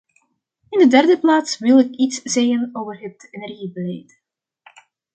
In de derde plaats wil ik iets zeggen over het energiebeleid.